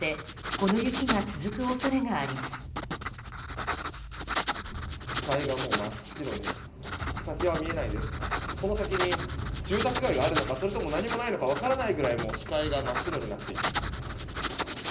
この先に住宅街があるのかそれとも何もないのか分からないくらいに視界が真っ白になっています。